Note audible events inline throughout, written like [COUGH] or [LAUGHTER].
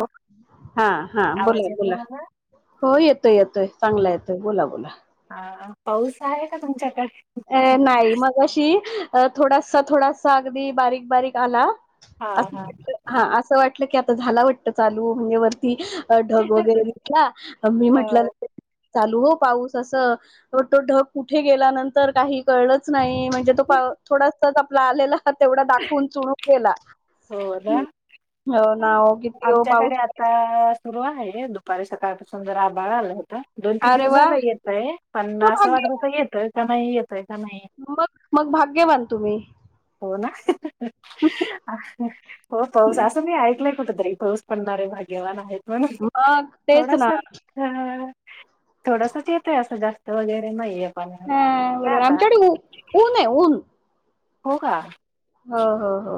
हो.. हां.. हां.. आवाज बोलां, येतो बोलां मला हो येतोय येतोय चांगला येतोय बोलां बोलां हां.. पाऊस आहे कां तुमच्यांकडे? अं.. नाहीं मंग अशी अं थोडांसां- थोडासां अगदी बारीक बारीक आलां. हां.. हां हां असं वाटलं की आंता झालां वाटतं चालूं हुणे वरं ती ढंग वगैरें विटलां, मी म्हटलं अं, चालूं हो पाऊस असं, तो ढंग कुंठे गेल्यानंतर कांहीं कळलंच नाहीं नाहीं म्हणजे तो थोडांस आपला आलेला हां तेवढा दाखवून चु- गेला, हो.. नां किती पाऊस पडे सुरूं आहे दुपारी सकाळंपासून जरा आबांळ आलं होतं दोन- तीनं अरे दिवसं वा झालं येतय पणं मग असं वाटतं तरं येतय कां नाहीं येतय कां नाहीं. मंग, मंग भाग्यवांन तुम्हीं हो नां हो.. हो पाऊस असं मी ऐकलंय कुठं तरी पाऊस पडणारे आहे भाग्यवांन आहेत म्हंणे, मग तेच ना थोडांसां अं.. थोडंसं चं येतय असं जास्तं वगैरें नाहीं येतं. हं.. बरं आमच्याकडे ऊ.. ऊंन आहे ऊंन हो, कां- हो, हो, हो.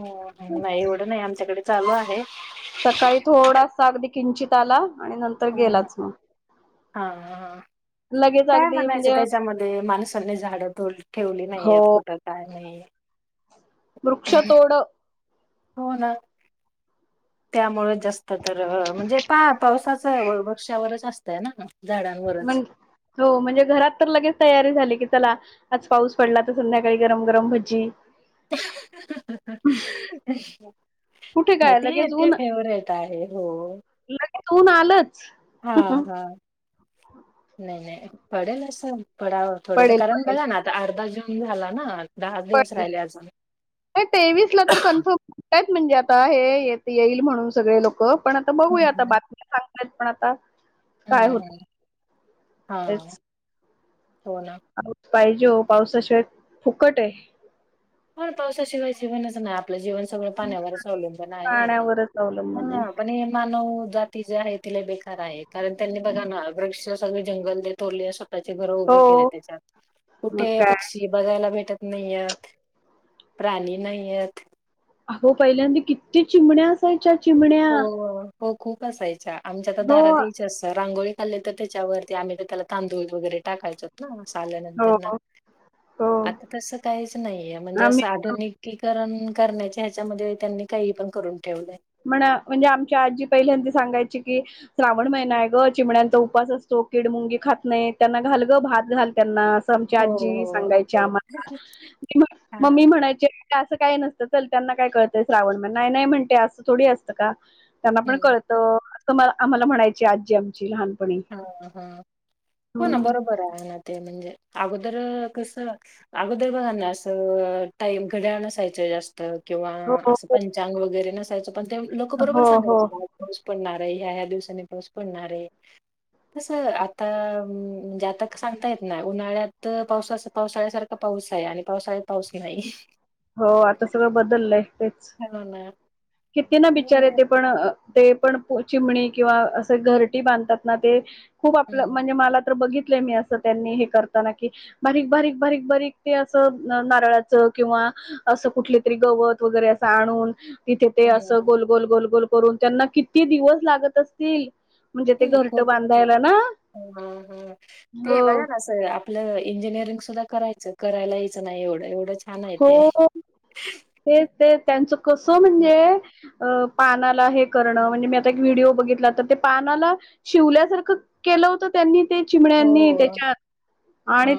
हो. नाही एवढं नाही, आमच्याकडे चालू आहे. सकाळी थोडासा अगदी किंचित आला, आणि नंतर हां ह. गेलाच मग आ ह्ह्ह्ह लगेच काय अगदी म्हणायचं म्हणजे त्याच्यामध्ये, माणसांनी झाडं ठेवली नाहीत हो यात कुठच काय नाही. वृक्षतोड. हो ना. त्यामुळे जास्त तर म्हणजे, पा पावसाचं वृक्षावरच असतय ना झाडांवरच. म्हण हो, म्हणजे घरात तर लगेच तयारी झाली की, चला आज पाऊस पडला तर संध्याकाळी गरम -गरम भज्जी. कुठे काय [UNINTELLIGIBLE] ती लगेच इतकी ऊन फेवरेट आहे हो. लगेच ऊन आलंच हा, हा. [UNINTELLIGIBLE] नाही, नाही पडेल असं पडावं, थोडस पडेल कारण पडेल बघा ना आता अर्धा जून झाला ना दहा दिवस पडेल राहिले अजून. तेवीस ला तर कन्फर्म म्हणजे, आता हे येईल म्हणून सगळे लोक हो पण आता बघूया आता, हम्म बातमीत सांगयत पण आता हां काय होत हा, हा, तेच हो ना. पाऊस जेव्हा पावसाशिवाय, फुकट हाय. होय पाऊसा शिवाय जीवनच नाही आप आपलं जीवन सगळं पाण्यावरच अवलंबून आहे, पाण्यावरच अवलंबून आहे ह पण हे मानव जाती जे आहे तिला बेकार आहे, कारण त्यांनी बघा ना वृक्ष सगळे जंगल बरं तोडले अस स्तःचे घर हो उभे केले त्याच्यात, मग कुठे काय पक्षी बघायला भेटत नाहीयेतं प्राणी नाही येत. अहो पहिल्यांदा किती चिमण्या असायच्या चिमण्या हो हो खूप असायच्या, आमच्या आता हो दारात यायच्या आता रांगोळीत आले तर त्याच्यावरती आम्ही तर त्याला तांदूळ वगैरे टाकायचोत ना, हो आल्यानंतरन हो आता तसं काहीच नाहीये, म्हणजे आम्ही असं आधुनिकीकरण करण्याचे ह्याच्यामध्ये त्यांनी काही पण करून ठेवलय. म्हण, म्हणजे आमच्या आजी पहिल्यांदी सांगायची की श्रावण महिना आहे ग, चिमण्याचा उपास असतो किड मुंगी खात नाहीत, त्यांना घाल ग भात घाल त्यांना आमच्या हो आजी हो सांगायच्या आम्हाला, म, मी हा मम्मी म्हणायचे असं काही नसतं चल, त्यांना काय कळतय श्रावण म नाही -नाही म्हणते असं थोडी असतं का त्यांना पण हम्म कळत, अस आम्हाला म्हणायची आजी आमची लहान हा, हा. हो ना बरोबर आहे ते म्हणजे अगोदर कस अगोदर आणि असं टाइम घड्याळ नसायच जास्त किंवा हो असं हो पंचांग वगैरे नसायचं, पण ते लोक हो बरोबर सांगायच हो बघ पाऊस पडणार आहे, ह्या- ह्या दिवसाांनी पाऊस पडणार हेय तस आता, म्हणजे आता सांगता येत नाय उन्हाळ्यात पावसाच पावसाळ्यासारख पाऊस आहे, आणि पावसाळ्यात पाऊस की नाही. हो आता सगळं बदललंय, तेच [UNINTELLIGIBLE] किती ना बेचारे हं, ते पण ते पण चिमणी किंवा असे घरटी बांधतात ना ते खूप आपलं हं, म्हणजे मला तर बघितलंय मी असं त्यांनी हे करताना की बारीक बारीक बारीक बारीक ते असं नार नारळाचं किंवा असं कुठले तरी गवत वगैरे असं आणून तिथे ते असं हं, गोल गोल गोल गोल करून त्यांना किती दिवस लागत असतील. म्हणजे ते घरट हम्म [UNINTELLIGIBLE] बांधायला ना हम्म हा हा ते हो बघा ना अस [UNINTELLIGIBLE] आपलं इंजिनिअरिंग सुद्धा करायचं करायला यायचं नाही एवढं एवढंच. हो ते ते त्यांचं कसं म्हणजे अ पानाला हे करणं म्हणजे मी आता एक व्हिडिओ बघितला तर ते पानाला शिवल्यासारखं केलं होतं. त्यांनी ते चिमण्यानी हो त्याच्यात हा आणि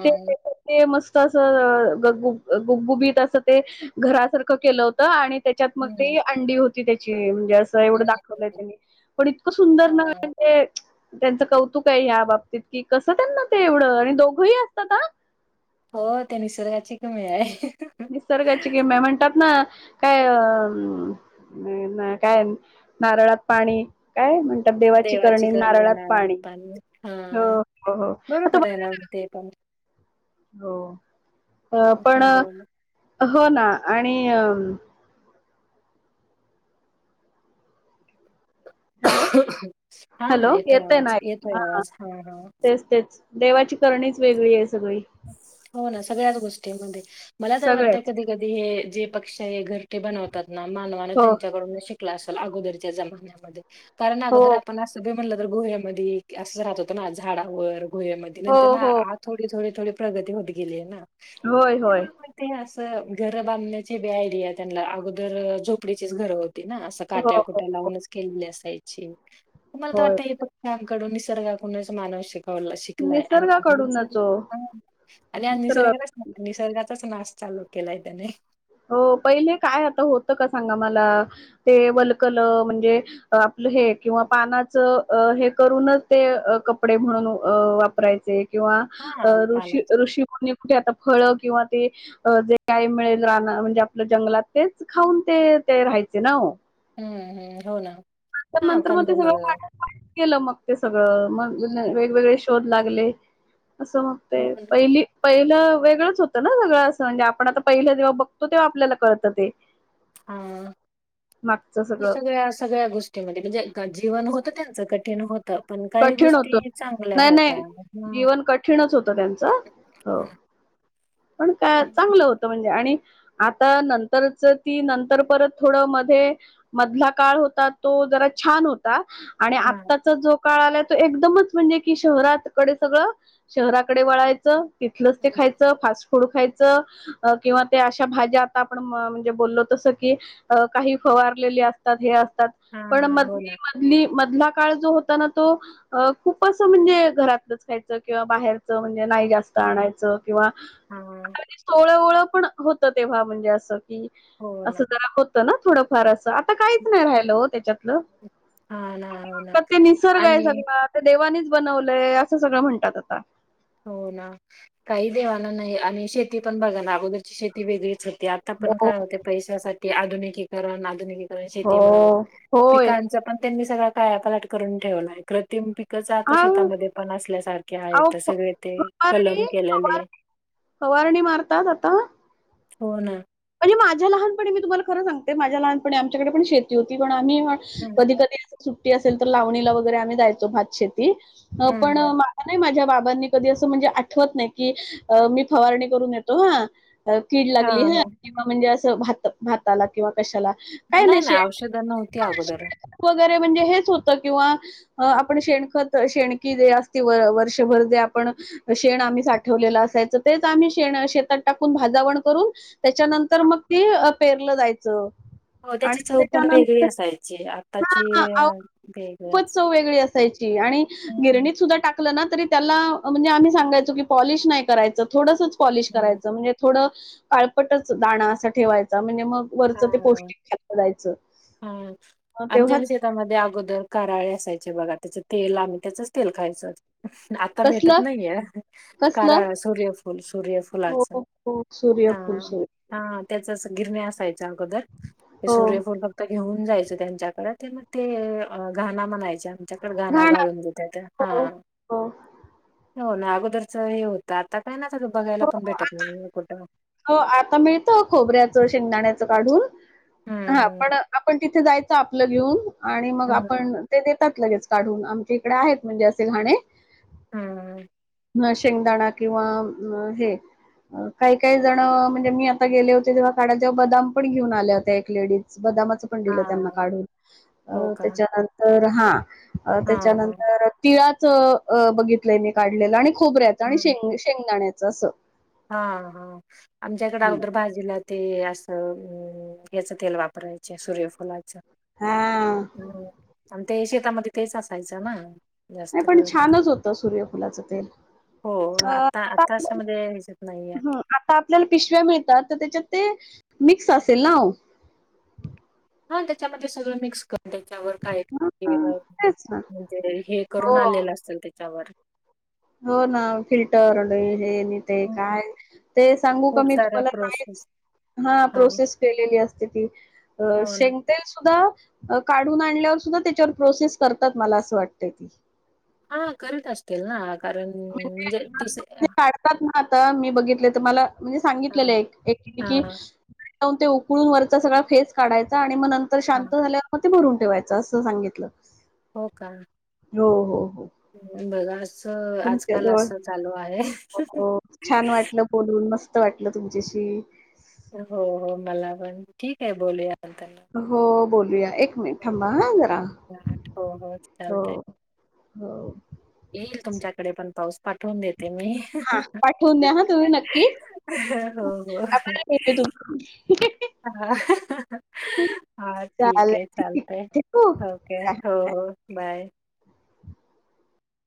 [INAUDIBLE] मस्त तसं ते गगुगुबगुबीत तसं ते घरासारखं केलं हो त आणि त्याच्यात मग हम्म ती अंडी होती त्याची म्हणजे अस च एवढं दाखवलंय त्यांनी पण इतकं सुंदर ना हा [INAUDIBLE] ते त्यांचं कौतुक आहे या बाबतीत कि कसं त्यांना ते एवढं आणि दोघंही असतात हा. हो ते निसर्गाची किमया आहे. निसर्गाची गिम्या म्हणतात ना काय अम नाय नाय काय नारळात पाणी काय म्हण तात देवाची करणी नारळात पाणी हो हो हो आता तेनाव ते पण हो पण हा बरोबर हो ना आणि अम हॅलो हा हा हॅलो येतोय येेतय आवाज ना येतोय आवाज हा हा [INAUDIBLE] तेच तेच. देवाची करणीच वेगळी आहे सगळी. हो ना सगळ्याच गोष्टी मध्ये मला तर वाटतं सगळेच कधी-कधी हे जे पक्षी हे घरटे बनवतात ना मानवाने हो त्यांच्याकडून शिक कलासवल आगोदरच्या जमान्या मध्ये कारण ना आगोदरच्या हो जमान्या मध्ये आपण असं बोम म्हणलं तर गोह्यामध्ये असं राहत होतं ना झाडावर गोह्यामध्ये हो नंतर ना हो आ थोडी थोडे थोडे प्रगती होत गेली आहे ना. होय होय ते असं घरं बांधण्याची बी आयडिया त्यांला अगोदर झोपडीचीच घरं होती ना अस हो हो काट्याकुट्या लावूनच केलेली असायची तुम्हाला तर होय वाटतं. [UNINTELLIGIBLE] [UNINTELLIGIBLE] कडून निसर्गाकूनच मानव शिकवला शिकलाय आणि निसर्गाकडूनच हो [INAUDIBLE] आणि या निसर्गा निसर्गाने ना निसर्गातचाच नाश चालू केलाय त्याने. हो पहिले काय आता होतं का सांगा मला ते वलकल म्हणजे आपलं हे किंवा पानाचं अ हे करूनच ते अ कपडे म्हणून अ वापरायचे. किंवा अ हा ऋषी पालाच ऋषी मुनी कुठे आता फळ किंवा ते अ जे काय मिळेल राना म्हणजे आपलं जंगलात तेच खाऊन ते ते राहायचे ना हो. हम्म हम्म हो ना. नंतर हा नंतर म ते सगळं कंदमुळं पाठ [INAUDIBLE] केलं मग ते सगळं मग ने हम्म वेगवेगळे शोध लागले असं मग हो तय ना. पहिली पहिलं वेगळंच होतं ना सगळं असं म्हणजे आपण आता पहिलं जेव्हा बघतो तेव्हा आपल्याला कळतं ते. आं मागचं तो सगळं सगळ्या सगळ्या गोष्टीमध्ये म्हणजे क जीवन हो तं त्यांच कठीण होतं. पण काही कठीण होतं. गोष्टी चांगल्या नाही होत्या. नाही [INAUDIBLE] जीवन कठीणच होतं त्यांचं. हो. पण का हम्म, चांगलं होतं म्हणजे आणि आता नंतरच ती नंतर परत थोडं मध्ये मधला काळ होता तो जरा छान होता आणि हा आताचा जो काळा आला तो एकदमच म्हणजे कि शहरातकडे सगळं शहराकडे वळायचं तिथलंच ते खायचं फास्ट फूड खायचं अ किंवा त्या अशा भाज्या आता आपण म्हणजे बोललो तसं की अ काही फवारलेली असतात हे असतात हा पण म हो ना मधली मधला काळ जो होता ना तो अ खूप असं म्हणजे घरातलंच खायचं किंवा बाहेरचं म्हणजे नाही जास्त आणायचं किंवा हा. जवळ पण होत तेव्हा म्हणजे अस की हो ना असं जरा होत ना थोडंफार अस- आता काहीच नाही राहिलं हो त्याच्यातलं. हा ना हो ना आता ते निसर्ग आहे आणि सगळा ते देवानीच बनवलंय असं सगळं म्हणतात आता. हो ना काही देवान नाही आणि शेती पण बघा ना अगोदरची शेती वेगळीच होती आ आता पण हो काय होते पैशासाठी आधुनिकी करण आधुनिक हो शेती म्हणून होय पिकांचा पण त्यांनी सगळा का यापालट करून ठेवलाय कृत्रिम पीक कस आता हा शेतामध्ये पण असल्यासारखे अहो आहे फवारणी सगळे ते कलम फवारणी फवार केल्याने, फवारणी मारतात आता होन. म्हणजे माझ्या लहानपणी मी तुम्हाला खर सांगते माझ्या लहानपणी आमच्याकडे पण शेती होती पण आम्ही ह हम्म कधी, कधी अस सुट्टी असेल तर लावणीला वगैरे आम्ही जायचो भात शेती हम्म पण हम्म. नाही माझ्या बाबांनी कधी असं म्हणजे आठवत नाही की मी फवारणी करून येतो हा कीड हा लागली ह हा किंवा म्हणजे असं भात, भात किंवा कशाला काय नाही शे औषधं नव्हती अगोदर. वगैरे म्हणजे हेच होतं किंवा अ आपण शेणखत शेणकी जे असती वर्षभर जे आपण शेण आम्ही साठवलेलं असायचं तेच आम्ही शेण शेतात टाकून भाजावण करून त्याच्यानंतर मग ती पेरलं जायचं. हो त्याची आणि चव पण वेगळी त्याच्यानंतर असायची आताची हा [INAUDIBLE] खूपच वेगळाच. चव वेगळी असते. असायची आणि हम्म गिरणी सुद्धा टाक टाकल ना तरी त्याला म्हणजे आम्ही सांगायचो की पॉलिश नाही करायचं थोडस पॉलिश हम्म. करायचं म्हणजे थोडं काळपटच दाणा असा ठेवायचा म्हणजे मग हा वरचं ते हा. पौष्टिक ते खोलायच मग तेव्हा ते त्यामध्ये अगोदर काराळे असायचे बघा त्याच तेल आम्ही त्याचच तेल खायचो आता भेटत कसलं नाहीय कसलं कराळ सूर्यफुल, हो, सूर्यफुलाच हो सूर्यफुल स हा त्याच अस गिरण्या असायच्या अगोदर हे हो. सूर्यफुल फक्त घेऊन जायचं त्यांच्याकडे ते मग ते घाणा म्हणायचे आमच्या घाणा घाण गाळून घेता येत हा हो, हो, हो, हो ना अगोदरच हे होत आता काय ना आ त बघायला पण भेटत नाही कुठं. हो आता मिळतं खोबऱ्याचं, शेंगदाण्याचं काढून हा हम्म पण आपण तिथे जायचं आपलं घेऊन आणि मग हम्म आपण ते देतात लगेच काढून आमच्या इकडे आहेत म्हणजे असेल घाणे हा. ह शेंगदाणा किंवा हे अ काही काही अ जण म्हणजे मी आता गेले होते तेव्हा काडा जेव्हा बदाम पण घेऊन आल्या होत्या एक लेडीज बदामाच. पण दिलं त्यांना हा काढून हो अ का त्याच्यानंतर हा अ हा हा त्याच्यानंतर. तिळाच अ बघितलंय मी काढलेलं आणि खोबऱ्याच आणि हम्म शेंग शेंगदाण्याच असं. हा हा आमच्याकडे अगोदर. बाजूला ते असं याच तेल वापरायचे सूर्यफुलाच. हा हम्म आणि ते शेतामध्ये तेच असायचं ना. नाही जास्त पण कळून तर छानच होतं सूर्यफुलाचं तेल हो अ आता आता अशामध्ये. नाही आहे. ह आता आपल्याला पिशव्या मिळतात तर त्याच्यात ते मिक्स असेल नाव. हा त्याच्यामध्ये सगळं मिक्स कर''--'' त्याच्यावर काय हे हां, नग तेच ना म्हणजे हे हे करून हो आलेलं असत त्याच्यावर. हो ना फिल्टरड [UNINTELLIGIBLE] हेनी ते हम्म. काय ते सांगू का खूप मी साऱ्या तुम्हाला प्रोसेस कायच. हा प्रोसेस केलेली असते ती हो ना. शेग''--'' तेल सुद्धा अ काढून आणल्यावर सुद्धा त्याच्यावर प्रोसेस करतात मला असं वाटत ती. हा करीत असतील ना कारण म्हणजे तिस आ. तात ना आता मी बघितले तर मला म्हणजे हा सांगितलेलं एक एकीने की. हा ऊन ते उकळून वरचा सगळा फेस काढायचा आणि मग नंतर हा. शांत झाल्यावर पण ते भरून ठेवायचं असं सांगितलं. हो का, हो हो हो, बघा असं तुमच्या आजकाल जवळ असं चालू आहे. हो छान वाटलं बोलून मस्त वाटलं तुमच्याशी. हो हो मला पण ठीक आहे बोलूया नंतर. हो बोलूया एक मिनिट थांबा हा जरा हो हो. चालतंय हो, येईल तुमच्याकडे पण पाऊस पाठवून देते मी. हा पाठवून द्या ह तुम्ही नक्की हो [UNINTELLIGIBLE] हा हा ठीक आहे चालेल ठीक चालतय आहे ठेवू? हो. ओके हा हो हा. हो बाय.